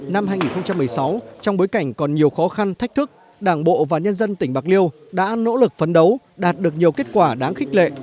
năm hai nghìn một mươi sáu trong bối cảnh còn nhiều khó khăn thách thức đảng bộ và nhân dân tỉnh bạc liêu đã nỗ lực phấn đấu đạt được nhiều kết quả đáng khích lệ